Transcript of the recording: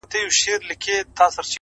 ميسج-